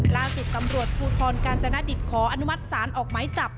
ลาศิกรปุธรกาญจนดิตขออนุมัติศาลออกไม้จับ